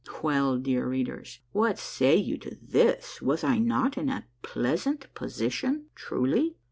Well, dear readers, what say ye to this? Was I not in a pleasant position truly